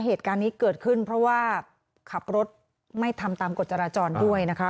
เหตุการณ์นี้เกิดขึ้นเพราะว่าขับรถไม่ทำตามกฎจราจรด้วยนะคะ